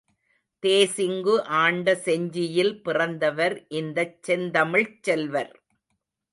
தேசிங்கு ஆண்ட செஞ்சியில் பிறந்தவர் இந்தச் செந்தமிழ்ச் செல்வர்.